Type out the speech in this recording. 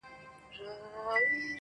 د وخت له کانه به را باسمه غمي د الماس,